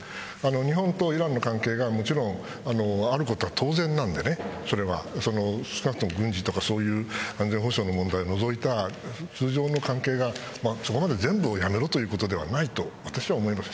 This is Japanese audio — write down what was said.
日本とイランの関係がもちろんあることは当然なので少なくとも軍事とか安全保障の問題を除いた通常の関係がそこまで全部をやめるということではないと私は思います。